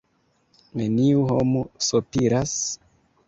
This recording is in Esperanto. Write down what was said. neniu homo sopiras?